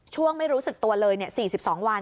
ช่วงไม่รู้สิทธิ์ตัวเลยเนี่ย๔๒วัน